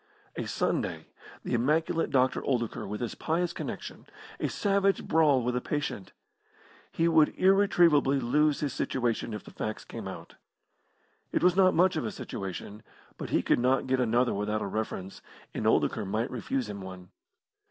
A Sunday, the immaculate Dr. Oldacre with his pious connection, a savage brawl with a patient; he would irretrievably lose his situation if the facts came out. It was not much of a situation, but he could not get another without a reference, and Oldacre might refuse him one.